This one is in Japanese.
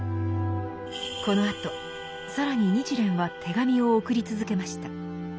このあと更に日蓮は手紙を送り続けました。